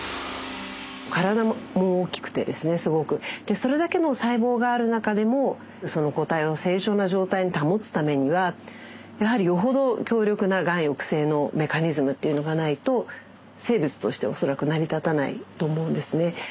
それだけの細胞がある中でもその個体を正常な状態に保つためにはやはりよほど強力ながん抑制のメカニズムっていうのがないと生物として恐らく成り立たないと思うんですね。